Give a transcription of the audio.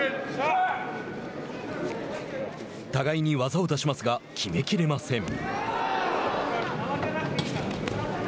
互いに技を出しますが決めきれません。